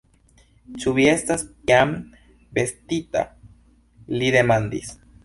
Ĉu vi estas jam vestita? li demandis.